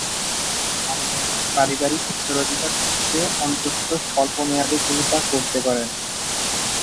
পারিবারিক উত্তরাধিকারসূত্রে অন্তত স্বল্প মেয়াদে তিনি তা করতে পারতেন।